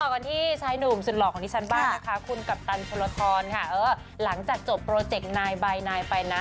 กันที่ชายหนุ่มสุดหล่อของดิฉันบ้างนะคะคุณกัปตันชนลทรค่ะเออหลังจากจบโปรเจกต์นายบายนายไปนะ